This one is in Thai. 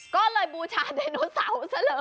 ก็เลยบูชาไดโนเสาร์ซะเลย